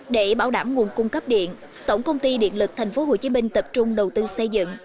để bảo đảm nguồn cung cấp điện tổng công ty điện lực tp hcm tập trung đầu tư xây dựng